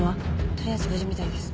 取りあえず無事みたいです。